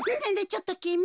ちょっときみ。